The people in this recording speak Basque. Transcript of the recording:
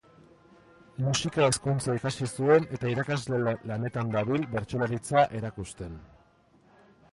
Musika Hezkuntza ikasi zuen eta irakasle lanetan dabil bertsolaritza erakusten.